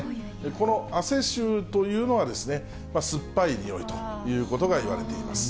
この汗臭というのはですね、酸っぱいにおいということがいわれています。